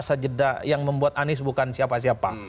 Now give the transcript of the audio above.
ada yang membuat anies bukan siapa siapa